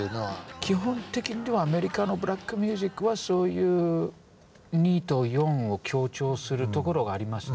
基本的にはアメリカのブラックミュージックはそういう２と４を強調するところがありますね。